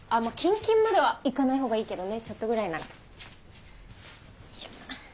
キンキンまでは行かないほうがいいけどねちょっとぐらいなら。